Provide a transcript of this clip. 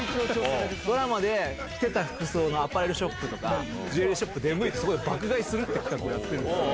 ドラマで着てた服装のアパレルショップとか、ジュエリーショップに出向いて、爆買いするって企画があるんですよ。